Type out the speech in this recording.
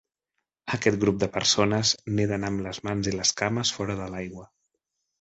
Aquest grup de persones neden amb les mans i les cames fora de l'aigua.